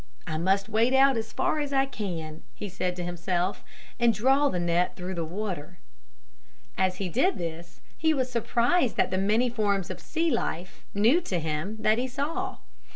"I must wade out as far as I can," he said to himself, "and draw the net through the water." As he did this he was surprised at the many forms of sea life, new to him, that he saw.